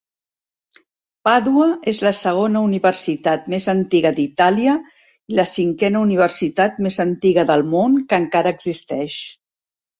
Pàdua és la segona universitat més antiga d'Itàlia i la cinquena universitat més antiga del món que encara existeix.